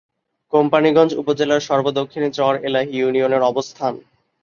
কোম্পানীগঞ্জ উপজেলার সর্ব-দক্ষিণে চর এলাহী ইউনিয়নের অবস্থান।